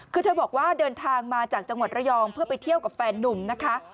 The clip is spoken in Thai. คือเธอบอกว่าเดินทางมาจากจังหวัดระยองเพื่อไปเที่ยวกับแฟนนุ่มนะคะ